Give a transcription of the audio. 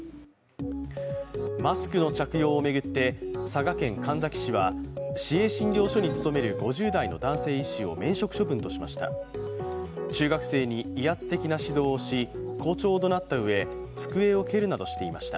マスクの着用を巡って佐賀県神埼市は市営診療所に勤める５０代の男性医師を免職処分としました。